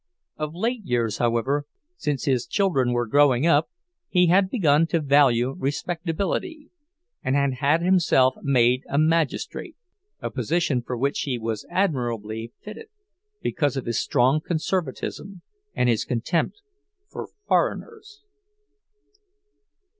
Of late years, however, since his children were growing up, he had begun to value respectability, and had had himself made a magistrate; a position for which he was admirably fitted, because of his strong conservatism and his contempt for "foreigners."